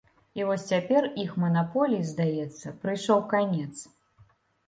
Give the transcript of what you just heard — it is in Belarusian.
І вось цяпер іх манаполіі, здаецца, прыйшоў канец.